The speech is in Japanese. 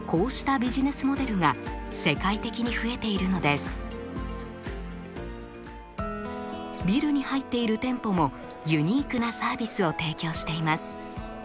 ビルに入っている店舗もユニークなサービスを提供しています。